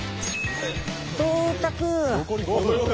到着！